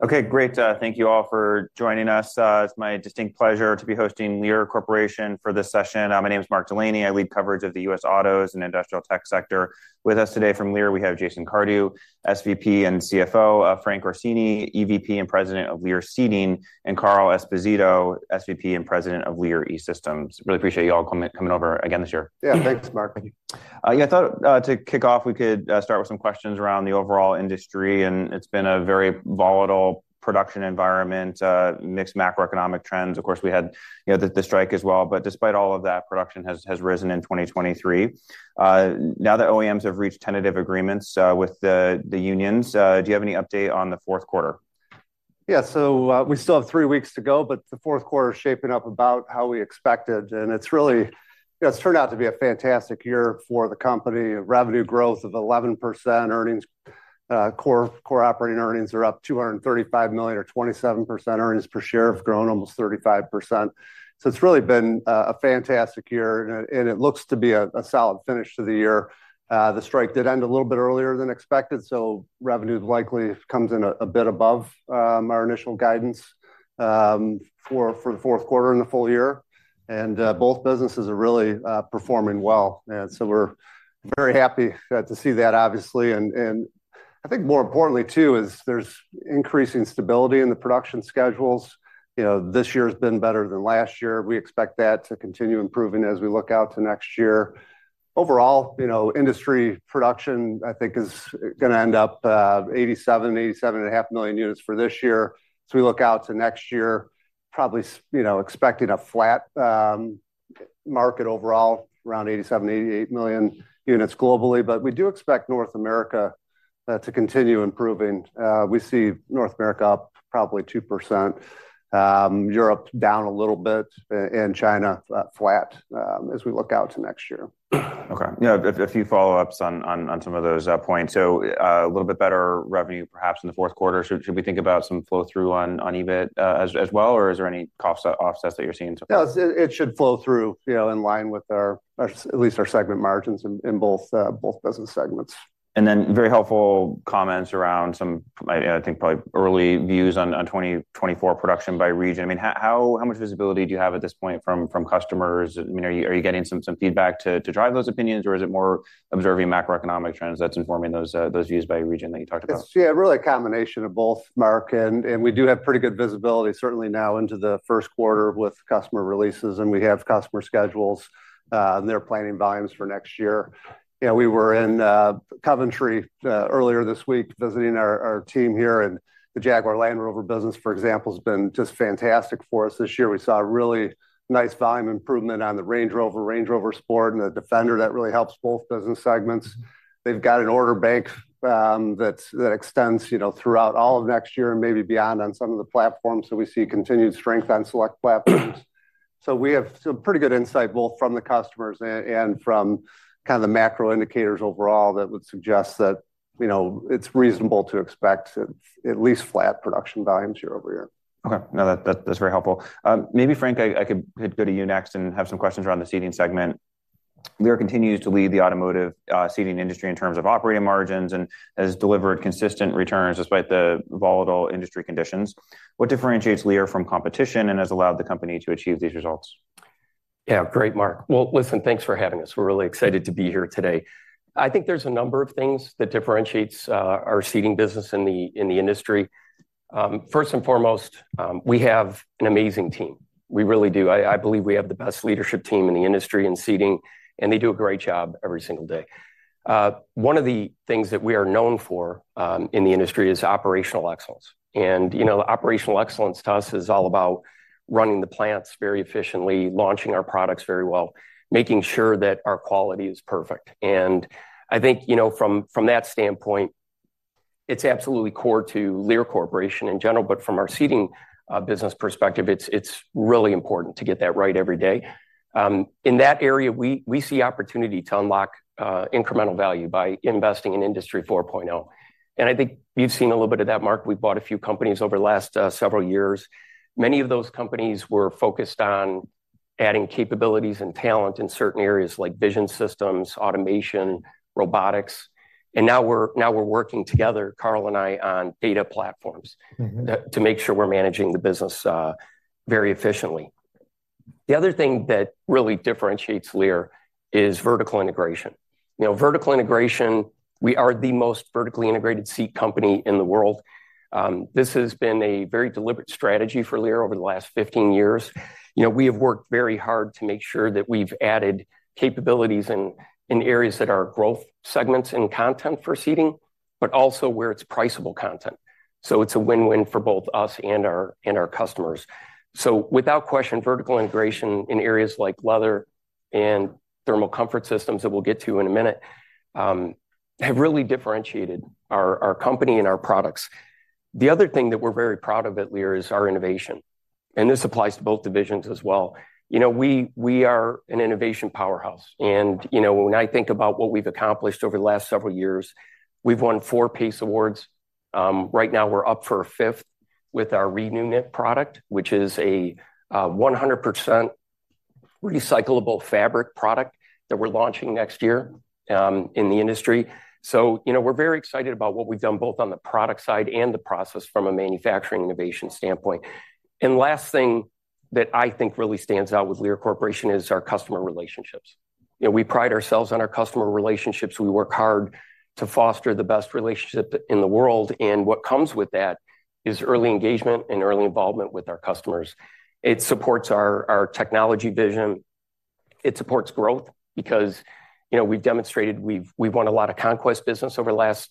Okay, great. Thank you all for joining us. It's my distinct pleasure to be hosting Lear Corporation for this session. My name is Mark Delaney. I lead coverage of the U.S. autos and industrial tech sector. With us today from Lear, we have Jason Cardew, SVP and CFO, Frank Orsini, EVP and President of Lear Seating, and Carl Esposito, SVP and President of Lear E-Systems. Really appreciate you all coming over again this year. Yeah, thanks, Mark. Yeah, I thought to kick off, we could start with some questions around the overall industry, and it's been a very volatile production environment, mixed macroeconomic trends. Of course, we had, you know, the strike as well, but despite all of that, production has risen in 2023. Now that OEMs have reached tentative agreements with the unions, do you have any update on the fourth quarter? Yeah. So, we still have three weeks to go, but the fourth quarter is shaping up about how we expected, and it's really—it's turned out to be a fantastic year for the company. Revenue growth of 11%, earnings, core operating earnings are up $235 million, or 27%. Earnings per share have grown almost 35%. So it's really been a fantastic year, and it looks to be a solid finish to the year. The strike did end a little bit earlier than expected, so revenue likely comes in a bit above our initial guidance for the fourth quarter and the full year. Both businesses are really performing well. And so we're very happy to see that, obviously, and I think more importantly, too, is there's increasing stability in the production schedules. You know, this year has been better than last year. We expect that to continue improving as we look out to next year. Overall, you know, industry production, I think, is gonna end up 87-87.5 million units for this year. As we look out to next year, probably you know, expecting a flat market overall, around 87-88 million units globally. But we do expect North America to continue improving. We see North America up probably 2%, Europe down a little bit, and China flat, as we look out to next year. Okay. Yeah, a few follow-ups on some of those points. So, a little bit better revenue, perhaps, in the fourth quarter. Should we think about some flow-through on EBIT, as well? Or is there any cost offsets that you're seeing so far? Yeah, it should flow through, you know, in line with our, at least our segment margins in both business segments. And then, very helpful comments around some, I think, probably early views on 2024 production by region. I mean, how much visibility do you have at this point from customers? I mean, are you getting some feedback to drive those opinions, or is it more observing macroeconomic trends that's informing those views by region that you talked about? It's, yeah, really a combination of both, Mark, and we do have pretty good visibility, certainly now into the first quarter with customer releases, and we have customer schedules, and they're planning volumes for next year. You know, we were in, Coventry, earlier this week, visiting our team here, and the Jaguar Land Rover business, for example, has been just fantastic for us this year. We saw a really nice volume improvement on the Range Rover, Range Rover Sport, and the Defender. That really helps both business segments. They've got an order bank, that extends, you know, throughout all of next year and maybe beyond on some of the platforms, so we see continued strength on select platforms. We have some pretty good insight, both from the customers and from kind of the macro indicators overall, that would suggest that, you know, it's reasonable to expect at least flat production volumes year-over-year. Okay. No, that, that's very helpful. Maybe Frank, I could go to you next and have some questions around the seating segment. Lear continues to lead the automotive seating industry in terms of operating margins and has delivered consistent returns despite the volatile industry conditions. What differentiates Lear from competition and has allowed the company to achieve these results? Yeah, great, Mark. Well, listen, thanks for having us. We're really excited to be here today. I think there's a number of things that differentiates our seating business in the industry. First and foremost, we have an amazing team. We really do. I believe we have the best leadership team in the industry in seating, and they do a great job every single day. One of the things that we are known for in the industry is operational excellence. And, you know, operational excellence, to us, is all about running the plants very efficiently, launching our products very well, making sure that our quality is perfect. And I think, you know, from that standpoint, it's absolutely core to Lear Corporation in general, but from our seating business perspective, it's really important to get that right every day. In that area, we see opportunity to unlock incremental value by investing in Industry 4.0. And I think we've seen a little bit of that, Mark. We've bought a few companies over the last several years. Many of those companies were focused on adding capabilities and talent in certain areas, like vision systems, automation, robotics, and now we're working together, Carl and I, on data platforms- To make sure we're managing the business very efficiently. The other thing that really differentiates Lear is vertical integration. You know, vertical integration, we are the most vertically integrated seat company in the world. This has been a very deliberate strategy for Lear over the last 15 years. You know, we have worked very hard to make sure that we've added capabilities in areas that are growth segments in content for seating, but also where it's priceable content. So it's a win-win for both us and our customers. So without question, vertical integration in areas like leather and Thermal Comfort Systems, that we'll get to in a minute, have really differentiated our company and our products. The other thing that we're very proud of at Lear is our innovation, and this applies to both divisions as well. You know, we are an innovation powerhouse, and, you know, when I think about what we've accomplished over the last several years, we've won 4 PACE Awards. Right now, we're up for a fifth with our ReNewKnit product, which is a 100% recyclable fabric product that we're launching next year in the industry. So, you know, we're very excited about what we've done, both on the product side and the process from a manufacturing innovation standpoint. Last thing that I think really stands out with Lear Corporation is our customer relationships. You know, we pride ourselves on our customer relationships. We work hard to foster the best relationship in the world, and what comes with that is early engagement and early involvement with our customers. It supports our technology vision. It supports growth because, you know, we've demonstrated we've won a lot of conquest business over the last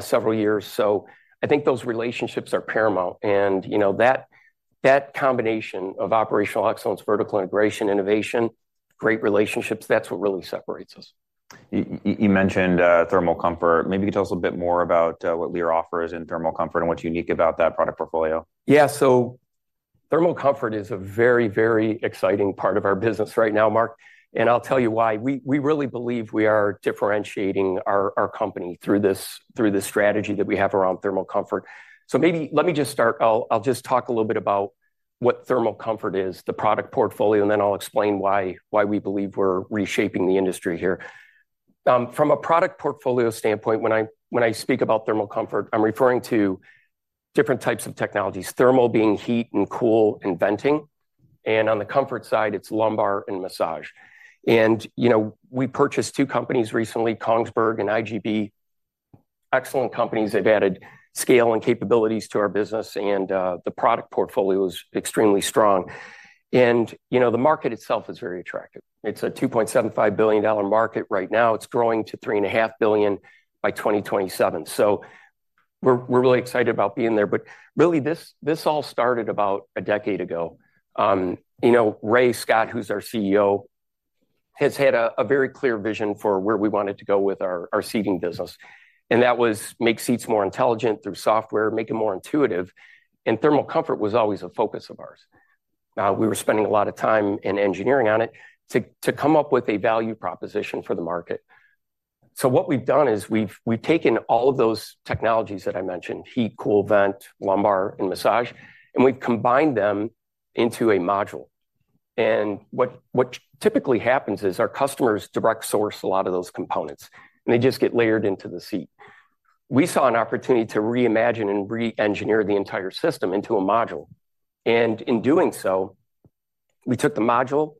several years. So I think those relationships are paramount. And, you know, that combination of operational excellence, vertical integration, innovation, great relationships, that's what really separates us. You mentioned thermal comfort. Maybe you can tell us a bit more about what Lear offers in thermal comfort and what's unique about that product portfolio. Yeah, so thermal comfort is a very, very exciting part of our business right now, Mark, and I'll tell you why. We, we really believe we are differentiating our, our company through this, through this strategy that we have around thermal comfort. So maybe let me just start. I'll, I'll just talk a little bit about what thermal comfort is, the product portfolio, and then I'll explain why, why we believe we're reshaping the industry here. From a product portfolio standpoint, when I, when I speak about thermal comfort, I'm referring to different types of technologies, thermal being heat and cool and venting, and on the comfort side, it's lumbar and massage. And, you know, we purchased two companies recently, Kongsberg and IGB, excellent companies. They've added scale and capabilities to our business, and the product portfolio is extremely strong. You know, the market itself is very attractive. It's a $2.75 billion market right now. It's growing to $3.5 billion by 2027. So we're, we're really excited about being there. But really, this, this all started about a decade ago. You know, Ray Scott, who's our CEO, has had a, a very clear vision for where we wanted to go with our, our seating business, and that was make seats more intelligent through software, make it more intuitive, and thermal comfort was always a focus of ours. We were spending a lot of time in engineering on it to, to come up with a value proposition for the market. So what we've done is we've, we've taken all of those technologies that I mentioned, heat, cool, vent, lumbar, and massage, and we've combined them into a module. And what typically happens is, our customers direct source a lot of those components, and they just get layered into the seat. We saw an opportunity to reimagine and reengineer the entire system into a module, and in doing so, we took the module,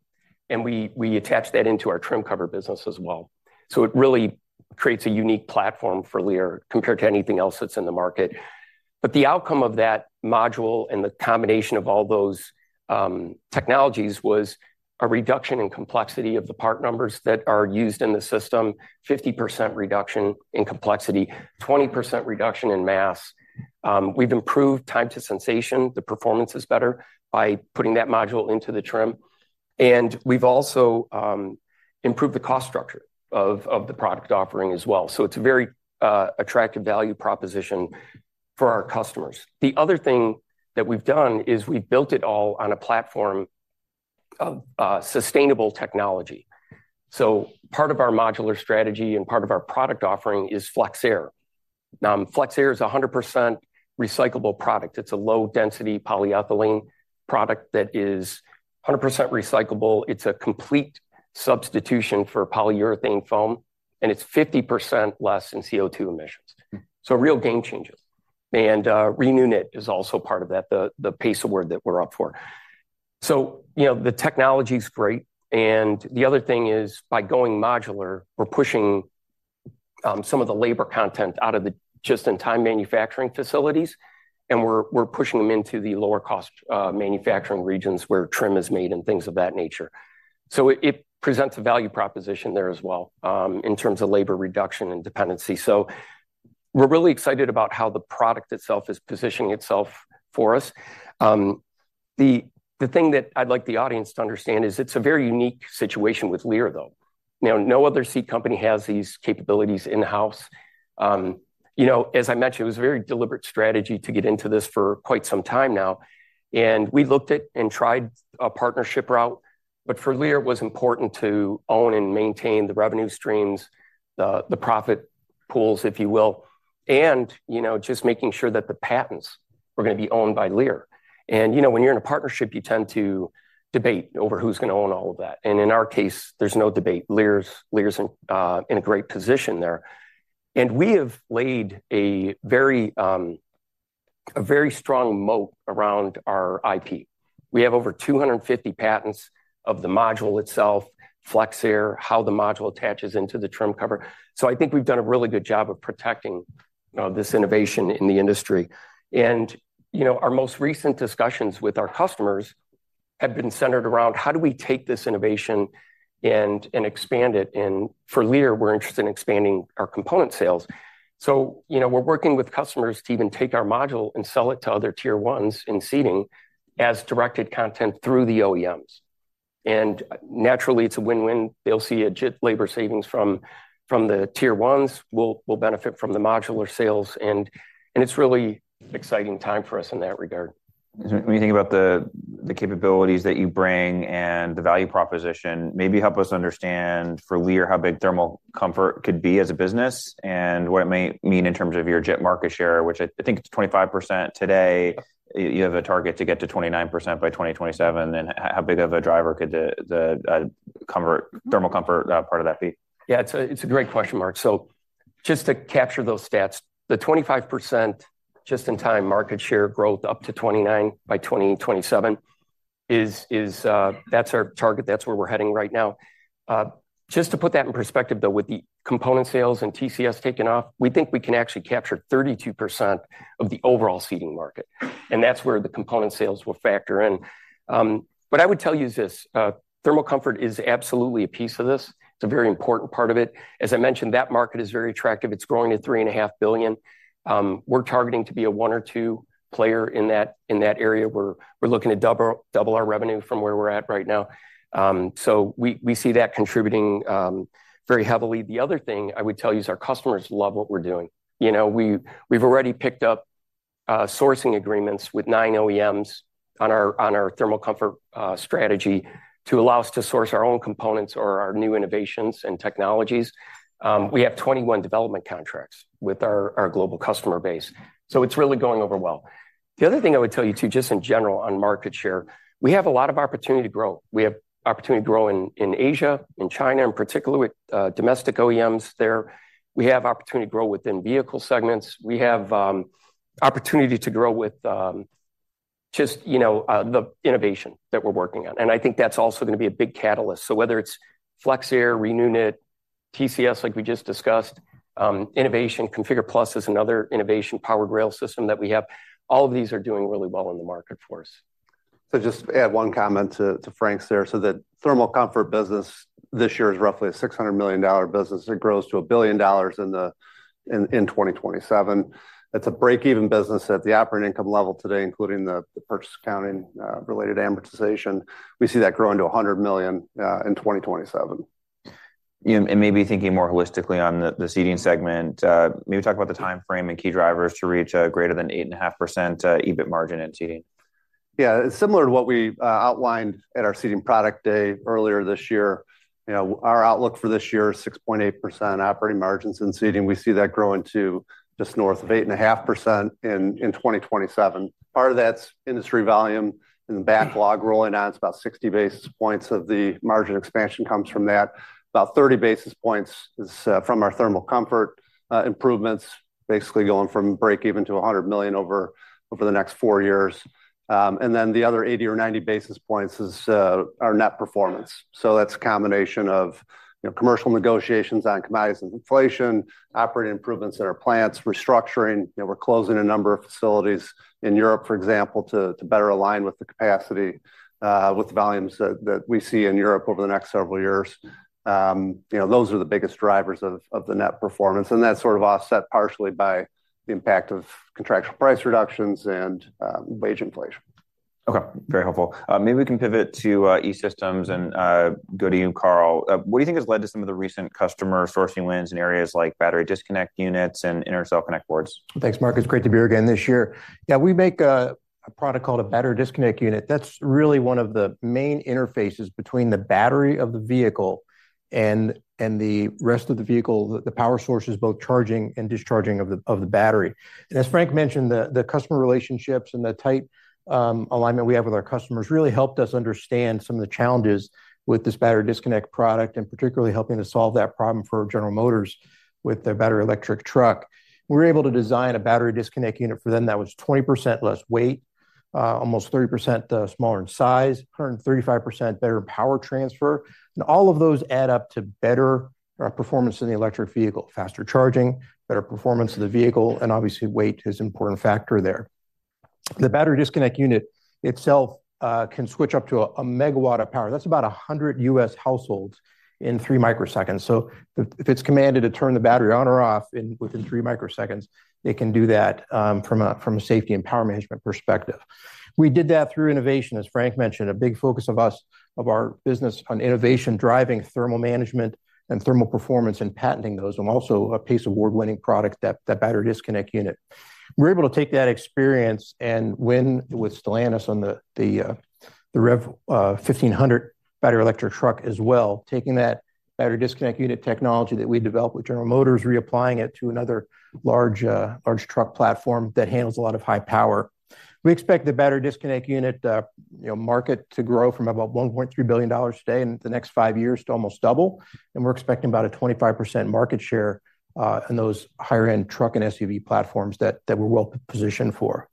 and we attached that into our trim cover business as well. So it really creates a unique platform for Lear compared to anything else that's in the market. But the outcome of that module and the combination of all those technologies was a reduction in complexity of the part numbers that are used in the system, 50% reduction in complexity, 20% reduction in mass. We've improved time to sensation, the performance is better by putting that module into the trim, and we've also improved the cost structure of the product offering as well. So it's a very attractive value proposition for our customers. The other thing that we've done is we've built it all on a platform of sustainable technology. So part of our modular strategy and part of our product offering is FlexAir. FlexAir is 100% recyclable product. It's a low-density polyethylene product that is 100% recyclable, it's a complete substitution for polyurethane foam, and it's 50% less in CO2 emissions. So real game changes. And ReNewKnit is also part of that, the PACE Award that we're up for. So, you know, the technology's great, and the other thing is, by going modular, we're pushing some of the labor content out of the just-in-time manufacturing facilities, and we're pushing them into the lower-cost manufacturing regions, where trim is made and things of that nature. So it presents a value proposition there as well, in terms of labor reduction and dependency. So we're really excited about how the product itself is positioning itself for us. The thing that I'd like the audience to understand is, it's a very unique situation with Lear, though. You know, no other seat company has these capabilities in-house. You know, as I mentioned, it was a very deliberate strategy to get into this for quite some time now, and we looked at and tried a partnership route, but for Lear, it was important to own and maintain the revenue streams, the profit pools, if you will, and, you know, just making sure that the patents were gonna be owned by Lear. And, you know, when you're in a partnership, you tend to debate over who's gonna own all of that, and in our case, there's no debate. Lear's, Lear's in, in a great position there. And we have laid a very, a very strong moat around our IP. We have over 250 patents of the module itself, FlexAir, how the module attaches into the trim cover. So I think we've done a really good job of protecting, this innovation in the industry. And, you know, our most recent discussions with our customers have been centered around: How do we take this innovation and, and expand it? And for Lear, we're interested in expanding our component sales. So, you know, we're working with customers to even take our module and sell it to other tier ones in seating as directed content through the OEMs. And naturally, it's a win-win. They'll see a JIT labor savings from the tier ones, we'll benefit from the modular sales, and it's really exciting time for us in that regard. When you think about the capabilities that you bring and the value proposition, maybe help us understand, for Lear, how big thermal comfort could be as a business and what it may mean in terms of your JIT market share, which I think it's 25% today. You have a target to get to 29% by 2027. Then, how big of a driver could the comfort, thermal comfort part of that be? Yeah, it's a, it's a great question, Mark. So-... Just to capture those stats, the 25% just-in-time market share growth up to 29% by 2027 is, that's our target. That's where we're heading right now. Just to put that in perspective, though, with the component sales and TCS taking off, we think we can actually capture 32% of the overall seating market, and that's where the component sales will factor in. But I would tell you is this: thermal comfort is absolutely a piece of this. It's a very important part of it. As I mentioned, that market is very attractive. It's growing at $3.5 billion. We're targeting to be a one or two player in that area. We're looking to double our revenue from where we're at right now. So we see that contributing very heavily. The other thing I would tell you is our customers love what we're doing. You know, we, we've already picked up sourcing agreements with 9 OEMs on our, on our Thermal Comfort strategy to allow us to source our own components or our new innovations and technologies. We have 21 development contracts with our global customer base, so it's really going over well. The other thing I would tell you, too, just in general on market share, we have a lot of opportunity to grow. We have opportunity to grow in Asia, in China, and particularly with domestic OEMs there. We have opportunity to grow within vehicle segments. We have opportunity to grow with just, you know, the innovation that we're working on, and I think that's also going to be a big catalyst. So whether it's FlexAir, ReNewKnit, TCS, like we just discussed, innovation, ConfigurE+ is another innovation powered rail system that we have. All of these are doing really well in the market for us. So just add one comment to Frank's there. So that thermal comfort business this year is roughly a $600 million business. It grows to $1 billion in 2027. It's a break-even business at the operating income level today, including the purchase accounting related amortization. We see that growing to $100 million in 2027. Maybe thinking more holistically on the seating segment, can you talk about the time frame and key drivers to reach a greater than 8.5% EBIT margin in seating? Yeah, it's similar to what we outlined at our seating product day earlier this year. You know, our outlook for this year is 6.8% operating margins in seating. We see that growing to just north of 8.5% in 2027. Part of that's industry volume and backlog rolling on. It's about 60 basis points of the margin expansion comes from that. About 30 basis points is from our thermal comfort improvements, basically going from break even to $100 million over the next four years. And then the other 80 or 90 basis points is our net performance. So that's a combination of, you know, commercial negotiations on commodities and inflation, operating improvements in our plants, restructuring. You know, we're closing a number of facilities in Europe, for example, to better align with the capacity with the volumes that we see in Europe over the next several years. You know, those are the biggest drivers of the net performance, and that's sort of offset partially by the impact of contractual price reductions and wage inflation. Okay, very helpful. Maybe we can pivot to E-Systems and go to you, Carl. What do you think has led to some of the recent customer sourcing wins in areas like Battery Disconnect Units and Intercell Connect Boards? Thanks, Mark. It's great to be here again this year. Yeah, we make a product called a Battery Disconnect Unit. That's really one of the main interfaces between the battery of the vehicle and the rest of the vehicle, the power sources, both charging and discharging of the battery. And as Frank mentioned, the customer relationships and the tight alignment we have with our customers really helped us understand some of the challenges with this Battery Disconnect Unit, and particularly helping to solve that problem for General Motors with their battery electric truck. We were able to design a Battery Disconnect Unit for them that was 20% less weight, almost 30% smaller in size, 135% better power transfer. All of those add up to better performance in the electric vehicle, faster charging, better performance of the vehicle, and obviously, weight is an important factor there. The battery disconnect unit itself can switch up to a megawatt of power. That's about 100 U.S. households in 3 microseconds. So if it's commanded to turn the battery on or off within 3 microseconds, it can do that from a safety and power management perspective. We did that through innovation. As Frank mentioned, a big focus of our business on innovation, driving thermal management and thermal performance, and patenting those, and also a PACE award-winning product, that battery disconnect unit. We're able to take that experience and win with Stellantis on the REV 1500 battery electric truck as well, taking that battery disconnect unit technology that we developed with General Motors, reapplying it to another large truck platform that handles a lot of high power. We expect the battery disconnect unit market to grow from about $1.3 billion today in the next five years to almost double, and we're expecting about a 25% market share in those higher-end truck and SUV platforms that we're well positioned for.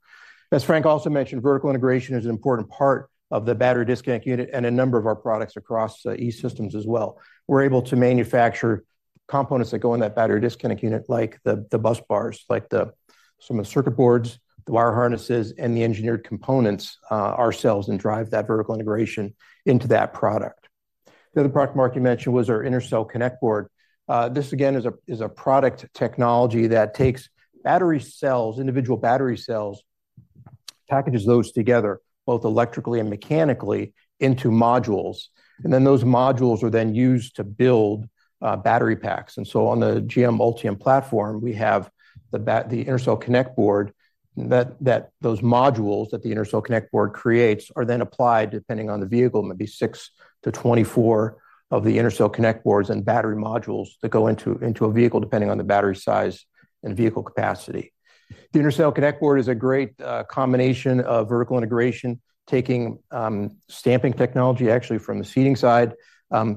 As Frank also mentioned, vertical integration is an important part of the battery disconnect unit and a number of our products across E-Systems as well. We're able to manufacture components that go in that Battery Disconnect Unit, like the busbars, like some of the circuit boards, the wire harnesses, and the engineered components, ourselves, and drive that vertical integration into that product. The other product Mark you mentioned was our Intercell Connect Board. This again is a product technology that takes battery cells, individual battery cells, packages those together, both electrically and mechanically, into modules, and then those modules are then used to build battery packs. And so on the GM Ultium platform, we have the Intercell Connect Board, that those modules that the Intercell Connect Board creates are then applied, depending on the vehicle, maybe 6-24 of the Intercell Connect Boards and battery modules that go into a vehicle, depending on the battery size and vehicle capacity. The Intercell Connect Board is a great combination of vertical integration, taking stamping technology, actually from the seating side,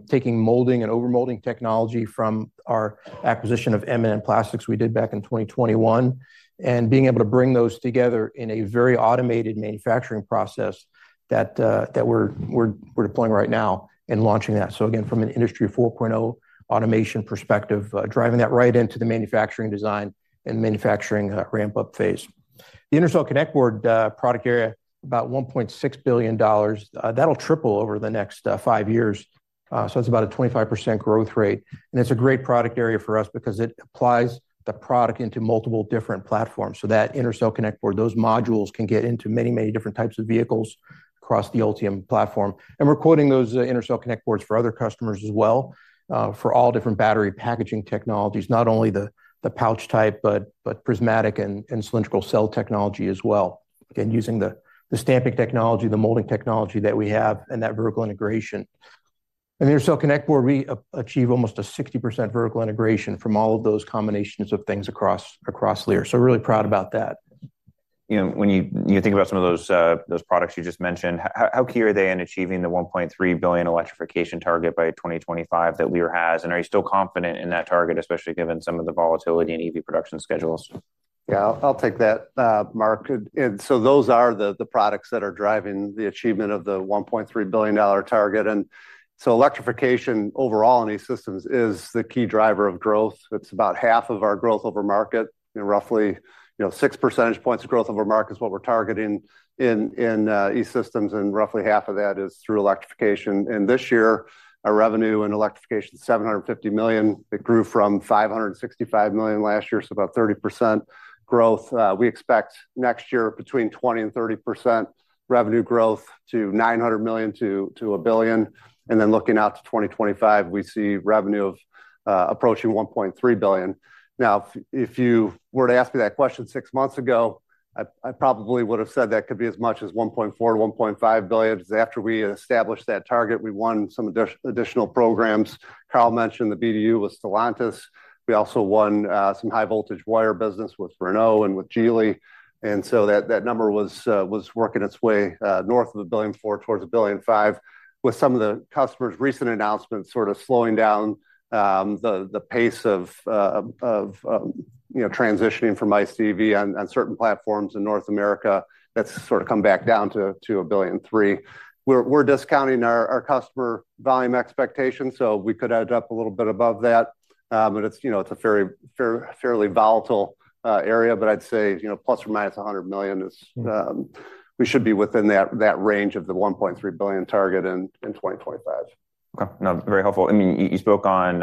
taking molding and overmolding technology from our acquisition of M&N Plastics we did back in 2021, and being able to bring those together in a very automated manufacturing process that we're deploying right now and launching that. So again, from an Industry 4.0 automation perspective, driving that right into the manufacturing design and manufacturing ramp-up phase. The Intercell Connect Board product area, about $1.6 billion. That'll triple over the next five years. So it's about a 25% growth rate, and it's a great product area for us because it applies the product into multiple different platforms. So that Intercell Connect Board, those modules can get into many, many different types of vehicles across the Ultium platform. And we're quoting those Intercell Connect Boards for other customers as well, for all different battery packaging technologies, not only the pouch type, but prismatic and cylindrical cell technology as well. Again, using the stamping technology, the molding technology that we have, and that vertical integration. In Intercell Connect Board, we achieve almost a 60% vertical integration from all of those combinations of things across Lear. So really proud about that. You know, when you think about some of those products you just mentioned, how key are they in achieving the $1.3 billion electrification target by 2025 that Lear has? And are you still confident in that target, especially given some of the volatility in EV production schedules? Yeah, I'll take that, Mark. So those are the products that are driving the achievement of the $1.3 billion target. So electrification overall in E-Systems is the key driver of growth. It's about half of our growth over market. Roughly, you know, 6 percentage points of growth over market is what we're targeting in E-Systems, and roughly half of that is through electrification. This year, our revenue in electrification, $750 million. It grew from $565 million last year, so about 30% growth. We expect next year between 20% and 30% revenue growth to $900 million-$1 billion. Then looking out to 2025, we see revenue of approaching $1.3 billion. Now, if you were to ask me that question six months ago, I probably would have said that could be as much as $1.4 billion-$1.5 billion. Because after we established that target, we won some additional programs. Carl mentioned the BDU with Stellantis. We also won some high voltage wire business with Renault and with Geely. And so that number was working its way north of $1.4 billion towards $1.5 billion, with some of the customers' recent announcements sorta slowing down the pace of you know, transitioning from ICE on certain platforms in North America. That's sorta come back down to $1.3 billion. We're discounting our customer volume expectations, so we could end up a little bit above that. But it's, you know, it's a very fairly volatile area, but I'd say, you know, ±$100 million is, we should be within that range of the $1.3 billion target in 2025. Okay, now, very helpful. I mean, you spoke on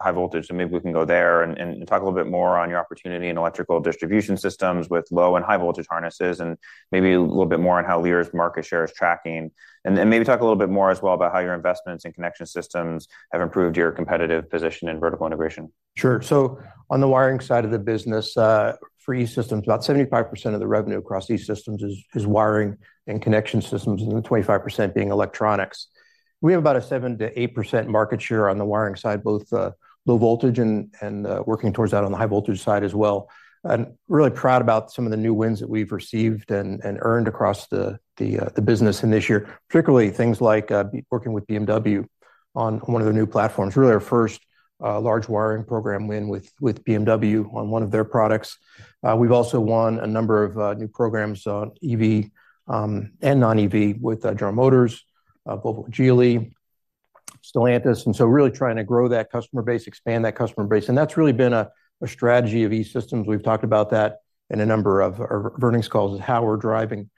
high voltage, so maybe we can go there and talk a little bit more on your opportunity in electrical distribution systems with low and high voltage harnesses, and maybe a little bit more on how Lear's market share is tracking. And then maybe talk a little bit more as well about how your investments in connection systems have improved your competitive position in vertical integration. Sure. So on the wiring side of the business, for E-Systems, about 75% of the revenue across E-Systems is wiring and connection systems, and then 25% being electronics. We have about a 7%-8% market share on the wiring side, both low voltage and working towards that on the high voltage side as well. And really proud about some of the new wins that we've received and earned across the business in this year. Particularly, things like working with BMW on one of their new platforms. Really our first large wiring program win with BMW on one of their products. We've also won a number of new programs on EV and non-EV with General Motors, Volvo, Geely, Stellantis. And so really trying to grow that customer base, expand that customer base, and that's really been a strategy of E-Systems. We've talked about that in a number of our earnings calls, is how we're driving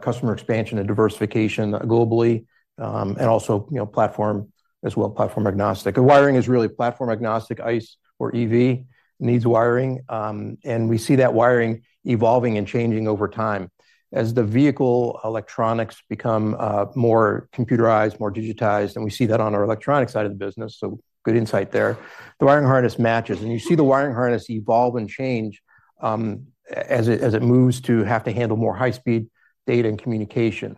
customer expansion and diversification globally, and also, you know, platform as well, platform agnostic. Wiring is really platform agnostic, ICE or EV needs wiring. And we see that wiring evolving and changing over time. As the vehicle electronics become more computerized, more digitized, and we see that on our electronic side of the business, so good insight there. The wiring harness matches, and you see the wiring harness evolve and change, as it moves to have to handle more high-speed data and communication.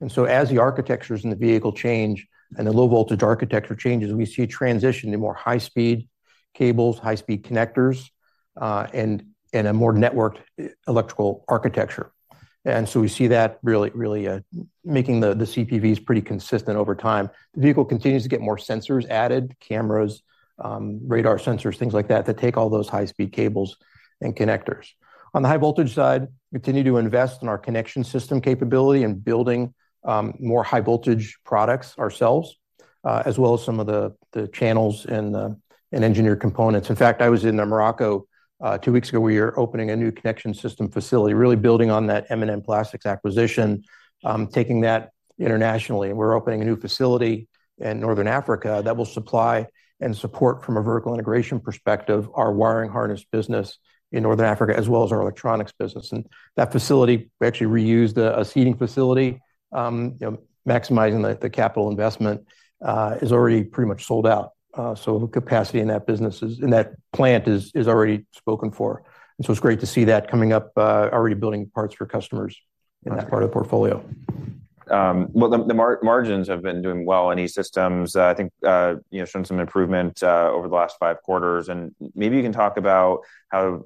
And so as the architectures in the vehicle change and the low voltage architecture changes, we see a transition to more high-speed cables, high-speed connectors, and a more networked electrical architecture. And so we see that really making the CPVs pretty consistent over time. The vehicle continues to get more sensors added, cameras, radar sensors, things like that, that take all those high-speed cables and connectors. On the high voltage side, we continue to invest in our connection system capability and building more high voltage products ourselves, as well as some of the channels and the engineered components. In fact, I was in Morocco two weeks ago. We are opening a new connection system facility, really building on that M&N Plastics acquisition, taking that internationally. We're opening a new facility in Northern Africa that will supply and support, from a vertical integration perspective, our wiring harness business in Northern Africa, as well as our electronics business. And that facility, we actually reused a seating facility, you know, maximizing the capital investment, is already pretty much sold out. So capacity in that business is in that plant is already spoken for. And so it's great to see that coming up, already building parts for customers in that part of the portfolio. Well, the margins have been doing well in E-Systems. I think, you know, shown some improvement over the last 5 quarters. And maybe you can talk about how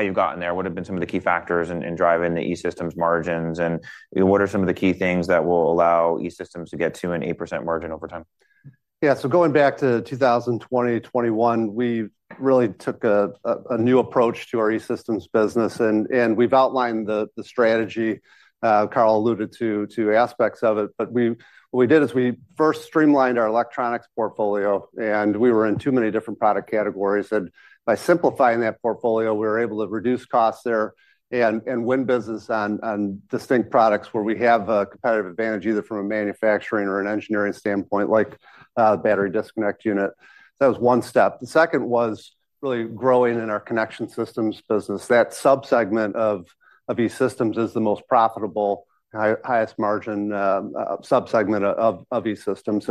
you've gotten there. What have been some of the key factors in driving the E-Systems margins? And, you know, what are some of the key things that will allow E-Systems to get to an 8% margin over time? Yeah, so going back to 2020, 2021, we really took a new approach to our E-Systems business, and we've outlined the strategy. Carl alluded to aspects of it. But what we did is we first streamlined our electronics portfolio, and we were in too many different product categories. And by simplifying that portfolio, we were able to reduce costs there and win business on distinct products where we have a competitive advantage, either from a manufacturing or an engineering standpoint, like a Battery Disconnect Unit. That was one step. The second was really growing in our connection systems business. That subsegment of E-Systems is the most profitable, highest margin subsegment of E-Systems.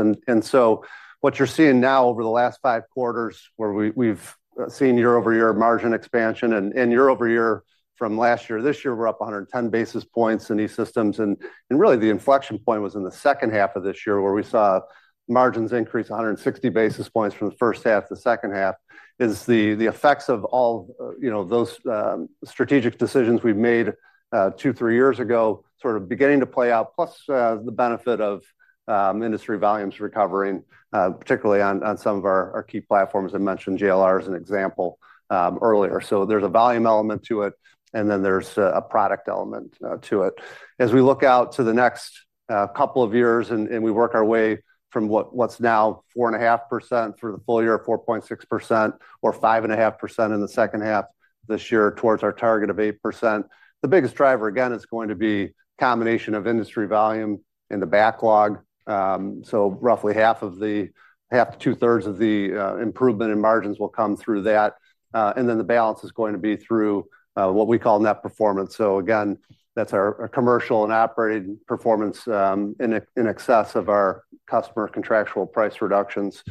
So what you're seeing now over the last 5 quarters, where we've seen year-over-year margin expansion, and year over year from last year to this year, we're up 110 basis points in E-Systems. And really the inflection point was in the second half of this year, where we saw margins increase 160 basis points from the first half to the second half, is the effects of all, you know those strategic decisions we've made, 2, 3 years ago, sort of beginning to play out. Plus, the benefit of industry volumes recovering, particularly on some of our key platforms. I mentioned JLR as an example, earlier. So there's a volume element to it, and then there's a product element to it. As we look out to the next couple of years, and we work our way from what's now 4.5% for the full year, 4.6% or 5.5% in the second half this year, towards our target of 8%, the biggest driver, again, is going to be combination of industry volume and the backlog. So roughly half to two-thirds of the improvement in margins will come through that, and then the balance is going to be through what we call net performance. So again, that's our commercial and operating performance in excess of our customer contractual price reductions.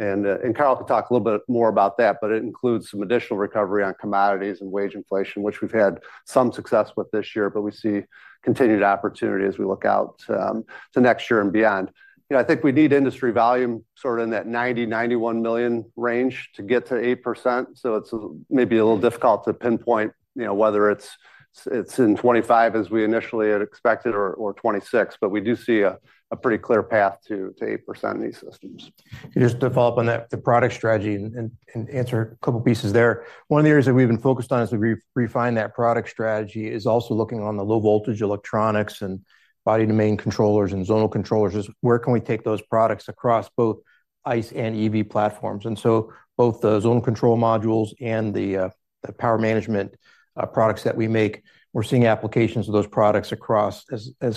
And Carl can talk a little bit more about that, but it includes some additional recovery on commodities and wage inflation, which we've had some success with this year, but we see continued opportunity as we look out to next year and beyond. You know, I think we need industry volume sort of in that 90-91 million range to get to 8%. So it's maybe a little difficult to pinpoint, you know, whether it's in 2025, as we initially had expected or 2026, but we do see a pretty clear path to 8% in E-Systems. Just to follow up on that, the product strategy, and answer a couple pieces there. One of the areas that we've been focused on as we refine that product strategy is also looking on the low voltage electronics and Body Domain Controllers and Zonal Controllers. Is where can we take those products across both ICE and EV platforms? And so both the zonal control modules and the power management products that we make, we're seeing applications of those products across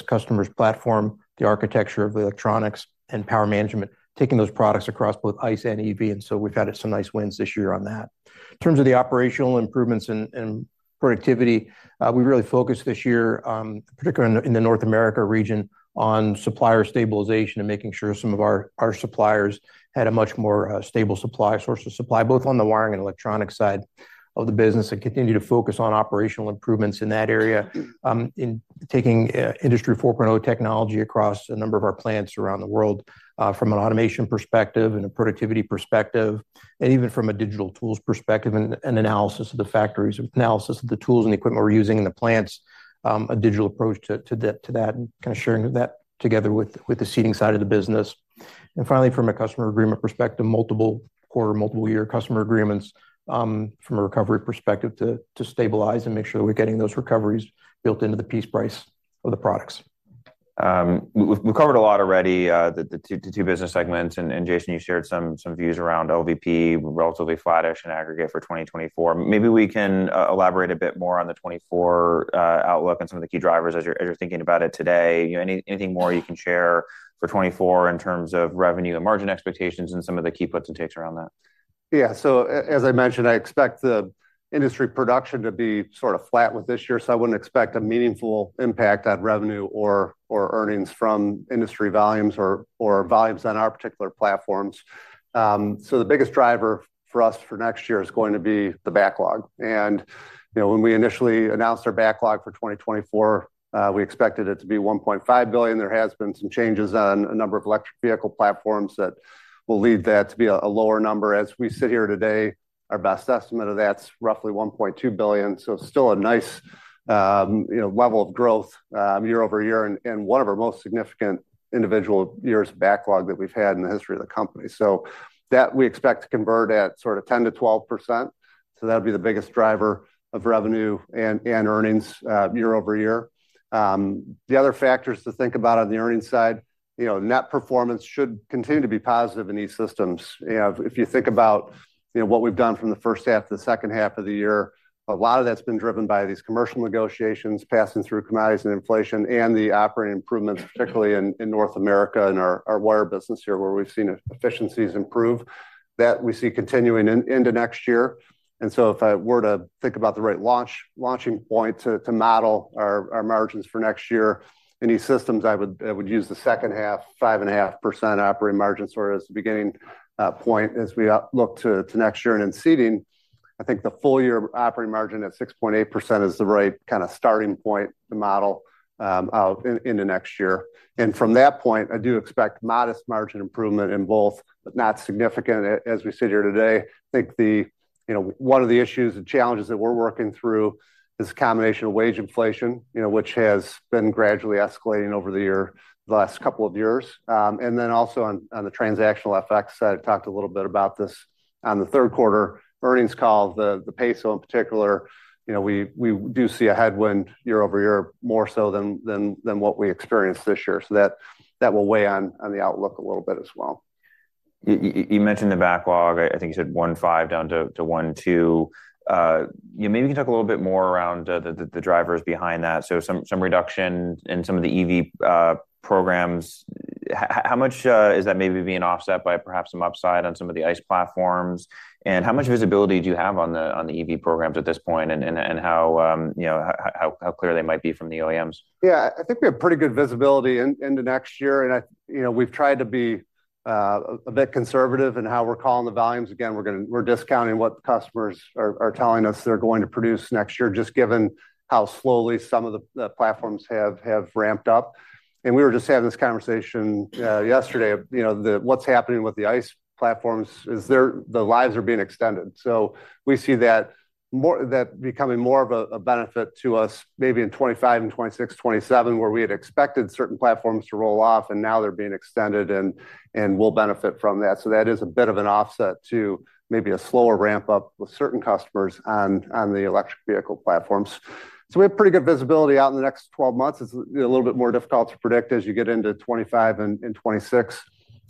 customers platform, the architecture of the electronics and power management, taking those products across both ICE and EV, and so we've had some nice wins this year on that. In terms of the operational improvements and productivity, we really focused this year, particularly in the North America region, on supplier stabilization and making sure some of our suppliers had a much more stable supply, source of supply, both on the wiring and electronic side of the business, and continue to focus on operational improvements in that area. In taking Industry 4.0 technology across a number of our plants around the world, from an automation perspective and a productivity perspective, and even from a digital tools perspective and analysis of the factories, analysis of the tools and equipment we're using in the plants, a digital approach to that, and kind of sharing that together with the seating side of the business. Finally, from a customer agreement perspective, multiple core, multiple-year customer agreements, from a recovery perspective, to stabilize and make sure that we're getting those recoveries built into the piece price of the products. We've, we've covered a lot already, the two business segments, and Jason, you shared some views around LVP, relatively flattish in aggregate for 2024. Maybe we can elaborate a bit more on the 2024 outlook and some of the key drivers as you're thinking about it today. You know, anything more you can share for 2024 in terms of revenue and margin expectations and some of the key puts and takes around that? Yeah. So as I mentioned, I expect the industry production to be sort of flat with this year, so I wouldn't expect a meaningful impact on revenue or earnings from industry volumes or volumes on our particular platforms. So the biggest driver for us for next year is going to be the backlog. And, you know, when we initially announced our backlog for 2024, we expected it to be $1.5 billion. There has been some changes on a number of electric vehicle platforms that will lead that to be a lower number. As we sit here today, our best estimate of that's roughly $1.2 billion. So still a nice, you know, level of growth, year-over-year, and one of our most significant individual years of backlog that we've had in the history of the company. So that we expect to convert at sort of 10%-12%. So that'll be the biggest driver of revenue and earnings year-over-year. The other factors to think about on the earnings side, you know, net performance should continue to be positive in E-Systems. You know, if you think about, you know, what we've done from the first half to the second half of the year, a lot of that's been driven by these commercial negotiations, passing through commodities and inflation, and the operating improvements, particularly in North America and our wire business here, where we've seen efficiencies improve, that we see continuing into next year. If I were to think about the right launching point to model our margins for next year, in E-Systems, I would use the second half 5.5% operating margin sort of as the beginning point as we look to next year. In Seating, I think the full year operating margin at 6.8% is the right kind of starting point to model into next year. From that point, I do expect modest margin improvement in both, but not significant as we sit here today. I think... You know, one of the issues and challenges that we're working through is a combination of wage inflation, you know, which has been gradually escalating over the last couple of years. And then also on the transactional effects, I talked a little bit about this on the third quarter earnings call, the peso in particular, you know, we do see a headwind year-over-year, more so than what we experienced this year. So that will weigh on the outlook a little bit as well. You mentioned the backlog. I think you said 15 down to 12. Yeah, maybe you can talk a little bit more around the drivers behind that. So some reduction in some of the EV programs. How much is that maybe being offset by perhaps some upside on some of the ICE platforms? And how much visibility do you have on the EV programs at this point, and how, you know, clear they might be from the OEMs? Yeah, I think we have pretty good visibility into next year. And I-- you know, we've tried to be a bit conservative in how we're calling the volumes. Again, we're gonna-- we're discounting what the customers are telling us they're going to produce next year, just given how slowly some of the platforms have ramped up. And we were just having this conversation yesterday, you know, what's happening with the ICE platforms is they're the lives are being extended. So we see that more that becoming more of a benefit to us maybe in 2025 and 2026, 2027, where we had expected certain platforms to roll off, and now they're being extended, and we'll benefit from that. So that is a bit of an offset to maybe a slower ramp-up with certain customers on the electric vehicle platforms. So we have pretty good visibility out in the next 12 months. It's a little bit more difficult to predict as you get into 2025 and 2026.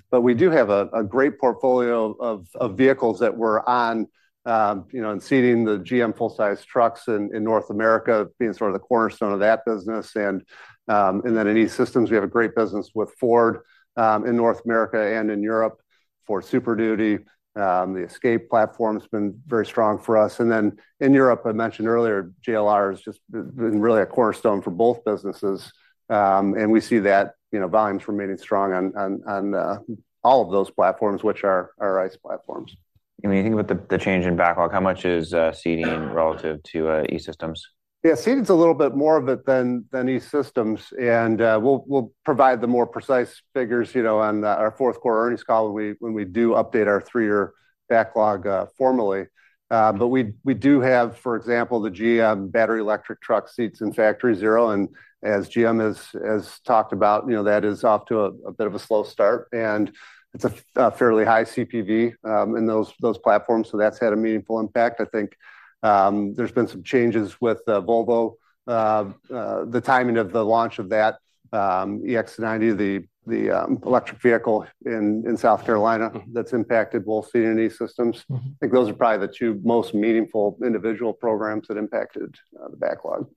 But we do have a great portfolio of vehicles that we're on, you know, and seating the GM full-size trucks in North America, being sort of the cornerstone of that business. And then in E-Systems, we have a great business with Ford in North America and in Europe for Super Duty. The Escape platform has been very strong for us. And then in Europe, I mentioned earlier, JLR has just been really a cornerstone for both businesses. And we see that, you know, volumes remaining strong on all of those platforms, which are our ICE platforms. And when you think about the change in backlog, how much is Seating relative to E-Systems? Yeah, seating's a little bit more of it than E-Systems, and we'll provide the more precise figures, you know, on our fourth quarter earnings call when we do update our three-year backlog formally. But we do have, for example, the GM battery electric truck seats in Factory Zero, and as GM has talked about, you know, that is off to a bit of a slow start, and it's a fairly high CPV in those platforms, so that's had a meaningful impact. I think, there's been some changes with Volvo, the timing of the launch of that EX90, the electric vehicle in South Carolina, that's impacted both seating and E-Systems.I think those are probably the two most meaningful individual programs that impacted the backlog.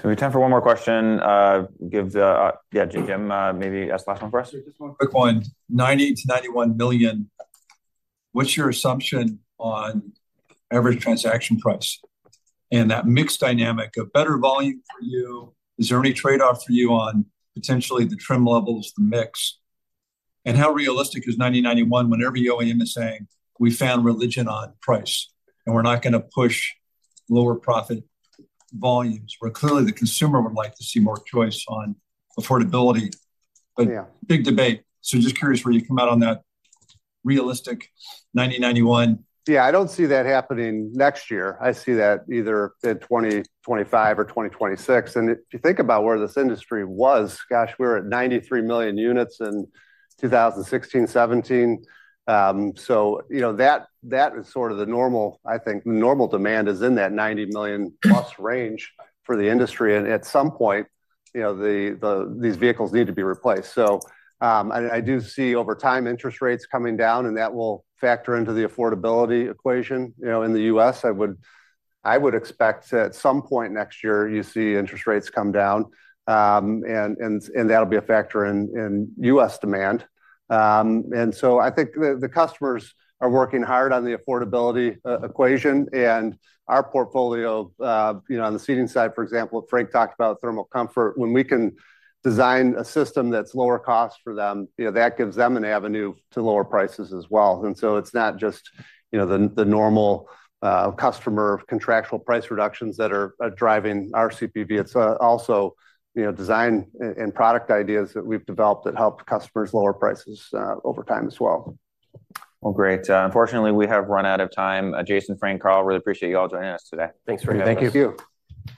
So we have time for one more question. Yeah, Jim, maybe ask the last one for us. Sure, just one quick one. $90 million-$91 million, what's your assumption on average transaction price? And that mixed dynamic, a better volume for you, is there any trade-off for you on potentially the trim levels, the mix? And how realistic is 90/91 when every OEM is saying, "We found religion on price, and we're not gonna push lower profit volumes?" Well, clearly, the consumer would like to see more choice on affordability. Yeah. Big debate. Just curious where you come out on that realistic 90/91. Yeah, I don't see that happening next year. I see that either in 2025 or 2026. And if you think about where this industry was, gosh, we were at 93 million units in 2016, 2017. So you know, that is sort of the normal. I think normal demand is in that 90 million+ range for the industry. And at some point, you know, these vehicles need to be replaced. So, and I do see over time interest rates coming down, and that will factor into the affordability equation. You know, in the U.S., I would expect that at some point next year, you see interest rates come down, and that'll be a factor in U.S. demand. And so I think the customers are working hard on the affordability equation. And our portfolio, you know, on the seating side, for example, Frank talked about thermal comfort. When we can design a system that's lower cost for them, you know, that gives them an avenue to lower prices as well. And so it's not just, you know, the, the normal, customer contractual price reductions that are, are driving our CPV. It's, also, you know, design and product ideas that we've developed that help customers lower prices, over time as well. Well, great. Unfortunately, we have run out of time. Jason, Frank, Carl, really appreciate you all joining us today. Thanks for having us. Thank you.